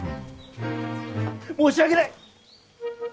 申し訳ない！